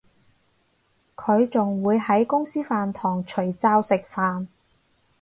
佢仲會喺公司飯堂除罩食飯